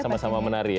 sama sama menari ya